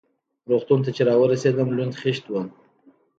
روغتون ته چې را ورسېدم لوند خېشت وم.